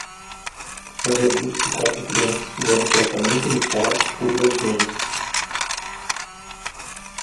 Nove adultos e quatro crianças fizeram tratamento no parque por lesões.